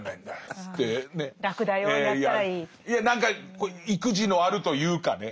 いや何か意気地のあるというかね